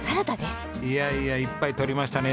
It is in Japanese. いやいやいっぱい取りましたね